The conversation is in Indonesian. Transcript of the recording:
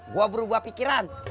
gue berubah pikiran